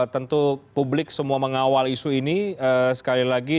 tentu publik semua mengawal isu ini sekali lagi